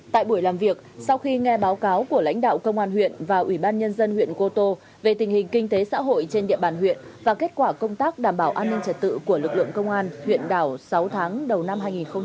tại buổi làm việc sau khi nghe báo cáo của lãnh đạo công an huyện và ủy ban nhân dân huyện cô tô về tình hình kinh tế xã hội trên địa bàn huyện và kết quả công tác đảm bảo an ninh trật tự của lực lượng công an huyện đảo sáu tháng đầu năm hai nghìn hai mươi ba